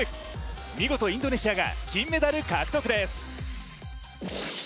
見事インドネシアが金メダル獲得です。